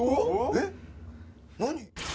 えっ何？